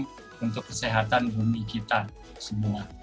ini penting untuk kesehatan bumi kita semua